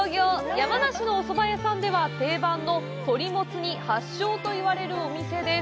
山梨のおそば屋さんでは定番の鳥もつ煮発祥と言われるお店です。